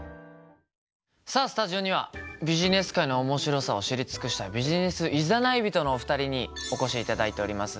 さあスタジオにはビジネス界の面白さを知り尽くしたビジネス誘い人のお二人にお越しいただいております。